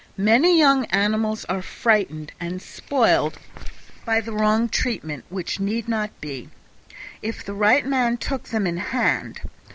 Many young animals are frightened and spoiled by wrong treatment, which need not be if the right man took them in hand.